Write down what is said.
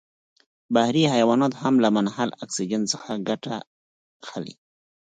بحري حیوانات هم له منحل اکسیجن څخه ګټه اخلي.